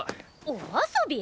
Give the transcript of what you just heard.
お遊び！？